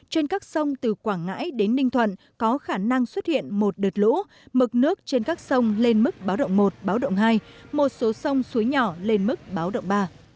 trên các sông từ quảng ngãi đến ninh thuận có khả năng xuất hiện một đợt lũ mực nước trên các sông lên mức báo động một báo động hai một số sông suối nhỏ lên mức báo động ba